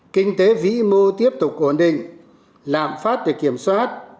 kinh tế vĩ mô tiếp tục ổn định lạm phát được kiểm soát